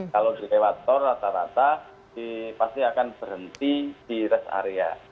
kalau di lewat tol rata rata pasti akan berhenti di rest area